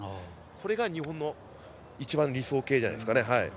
これが日本の一番の理想形じゃないですかね。